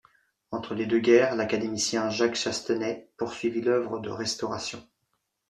Entre les deux guerres, l'académicien Jacques Chastenet poursuivit l’œuvre de restauration.